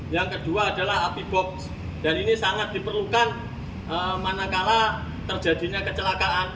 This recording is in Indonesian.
yang kedua adalah api box dan ini sangat diperlukan manakala terjadinya kecelakaan